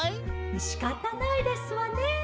「しかたないですわねえ。